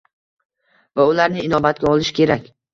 va ularni inobatga olish kerak